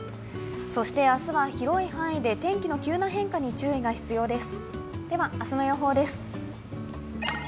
そして明日は広い範囲で天気の急な変化に注意が必要です。